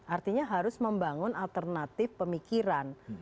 artinya harus membangun alternatif pemikiran